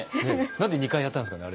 なんで２回やったんですかね